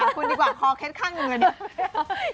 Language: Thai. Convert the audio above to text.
หันหาคุณดีกว่าคอเค็ดข้างเงินกันดิ